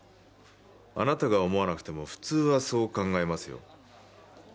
あなたが思わなくても普通はそう考えますよ。